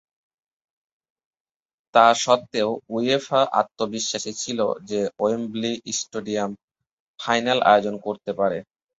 তা সত্ত্বেও উয়েফা আত্মবিশ্বাসী ছিল যে ওয়েম্বলি স্টেডিয়াম ফাইনাল আয়োজন করতে পারে।